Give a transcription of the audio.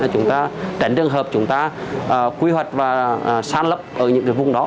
chúng ta tránh trường hợp chúng ta quy hoạch và sản lập ở những vùng đó